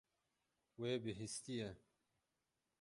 Wê bihîstiye.